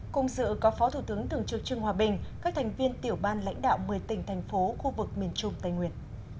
cùng sự có phó thủ tướng tường trường trương hòa bình các thành viên tiểu ban lãnh đạo một mươi tỉnh thành phố khu vực miền trung tây nguyên